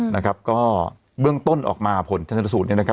นะครับก็เบื้องต้นออกมาผลชนสูตรเนี่ยนะครับ